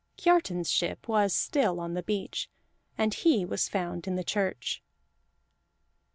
Kiartan's ship was still on the beach, and he was found in the church.